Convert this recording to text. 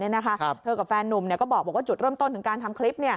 เธอกับแฟนนุ่มก็บอกว่าจุดเริ่มต้นของการทำคลิป